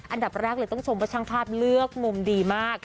อันดับแรกเลยต้องชมว่าช่างภาพเลือกมุมดีมาก